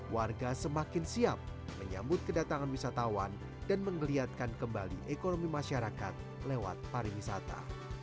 warga semakin siap menyambut kedatangan wisatawan dan mengeliatkan kembali ekonomi masyarakat lewat pariwisata